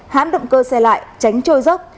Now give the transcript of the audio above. hãm động cơ xe lại tránh trôi dốc